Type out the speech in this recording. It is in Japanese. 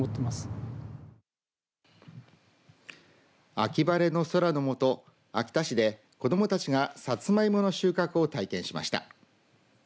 秋晴れの空の下秋田市で子どもたちがサツマイモの収穫を体験しました。